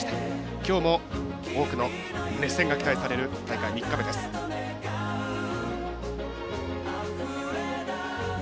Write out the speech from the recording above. きょうも多くの熱戦が期待される大会３日目です。